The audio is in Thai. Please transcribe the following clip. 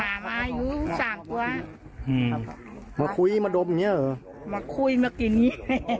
หมามาอยู่สามตัวอืมมาคุยมาดมอย่างเงี้ยมาคุยมากินอย่างเงี้ย